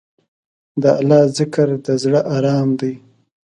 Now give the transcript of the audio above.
د الله ذکر، د زړه ارام دی.